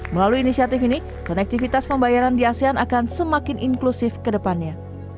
melalui inisiatif ini konektivitas pembayaran di asean akan semakin inklusif ke depannya